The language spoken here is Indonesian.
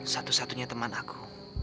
satu satunya teman aku